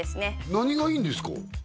何がいいんですか？